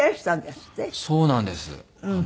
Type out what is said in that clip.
そうなんです。